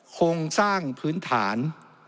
โครงสร้างพื้นฐาน